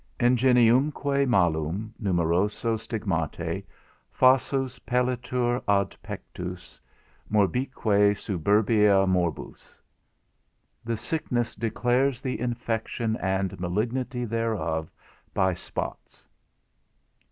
INGENIUMQUE MALUM, NUMEROSO STIGMATE, FASSUS PELLITUR AD PECTUS, MORBIQUE SUBURBIA, MORBUS. _The sickness declares the infection and malignity thereof by spots.